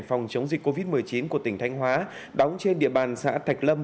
phòng chống dịch covid một mươi chín của tỉnh thanh hóa đóng trên địa bàn xã thạch lâm